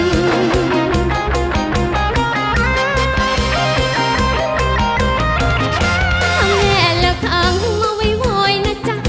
แม่แล้วข้างมาวัยวอยนะจ๊ะ